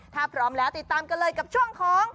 ถ้าพร้อมแล้วติดตามกันเลยกับช่วงของ